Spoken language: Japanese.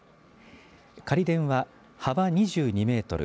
仮殿は、幅２２メートル